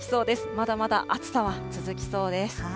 まだまだ暑さは続きそうです。